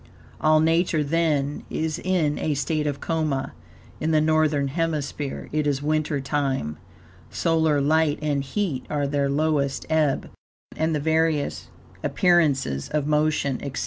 All Nature then is in a state of coma in the Northern Hemisphere, it is winter time, solar light and heat are at their lowest ebb; and the various appearances of motion, etc.